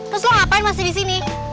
terus lo ngapain masih di sini